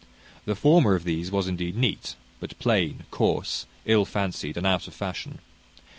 The former of these was indeed neat, but plain, coarse, ill fancied, and out of fashion.